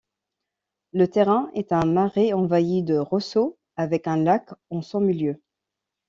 Le terrain est un marais envahi de roseaux, avec un lac en son milieu.